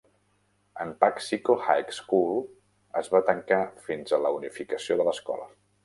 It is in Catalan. El Paxico High School es va tancar fins a la unificació de l'escola.